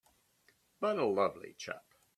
But a lovely chap!